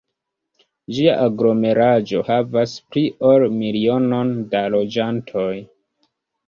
Ĝia aglomeraĵo havas pli ol milionon da loĝantoj.